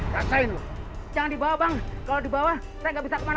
rasain lu jangan dibawa bang kalau dibawa saya nggak bisa berjalan